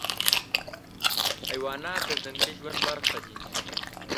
حیوانات د ځنګلي ژوند برخه دي.